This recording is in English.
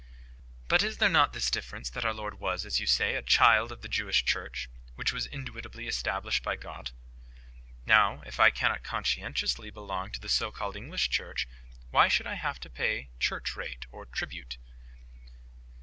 "But is there not this difference, that our Lord was, as you say, a child of the Jewish Church, which was indubitably established by God? Now, if I cannot conscientiously belong to the so called English Church, why should I have to pay church rate or tribute?"